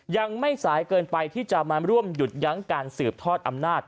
ยังไม่สายเกินไปที่จะมาร่วมหยุดยั้งการสืบทอดอำนาจ